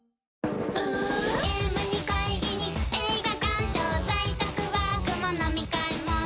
「ゲームに会議に映画鑑賞」「在宅ワークも飲み会も」